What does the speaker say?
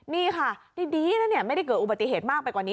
นี่ค่ะดีนะเนี่ยไม่ได้เกิดอุบัติเหตุมากไปกว่านี้